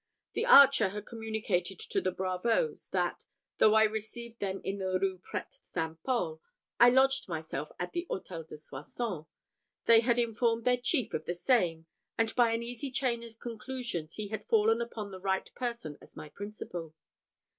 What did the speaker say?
The archer had communicated to the bravoes that, though I received them in the Rue Prêtres St. Paul, I lodged myself at the Hôtel de Soissons. They had informed their chief of the same, and by an easy chain of conclusions he had fallen upon the right person as my principal.